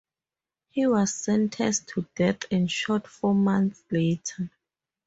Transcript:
He was sentenced to death and shot four months later.